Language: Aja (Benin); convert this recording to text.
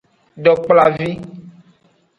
Dokplavi.